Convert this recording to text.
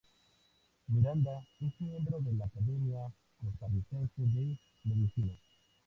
Miranda es miembro de la Academia Costarricense de Medicina.